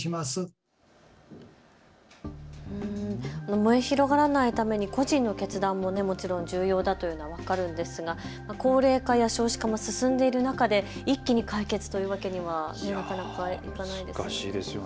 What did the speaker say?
燃え広がらないために個人の決断ももちろん重要だというのは分かるんですが高齢化や少子化も進んでいる中で一気に解決というわけにはなかなかいかないですね。